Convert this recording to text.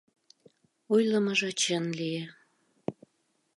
Ойлымыжо чын лие.